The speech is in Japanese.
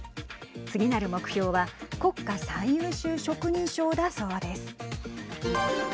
次なる目標は国家最優秀職人章だそうです。